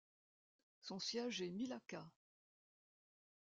Son siège est Milaca.